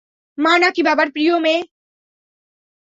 মা নাকি বাবার প্রিয় মেয়ে?